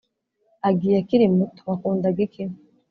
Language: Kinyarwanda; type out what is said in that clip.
agiye akiri muto wakundaga iki ....